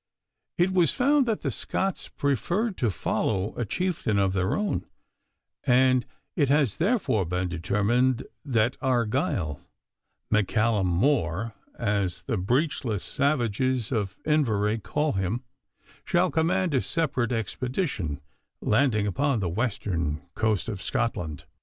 It was found that the Scots preferred to follow a chieftain of their own, and it has therefore been determined that Argyle M'Callum More, as the breechless savages of Inverary call him shall command a separate expedition landing upon the western coast of Scotland.